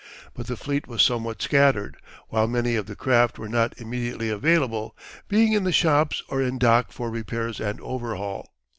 But the fleet was somewhat scattered, while many of the craft were not immediately available, being in the shops or in dock for repairs and overhaul.